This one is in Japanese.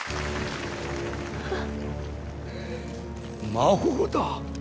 魔法だ。